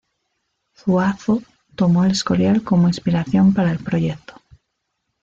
Zuazo tomó al Escorial como inspiración para el proyecto.